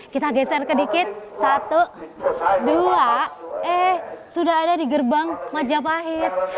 kita geser ke dikit satu dua eh sudah ada di gerbang majapahit